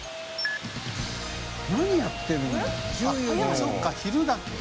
そうか昼だけ。